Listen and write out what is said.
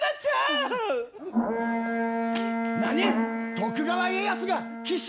徳川家康が奇襲！？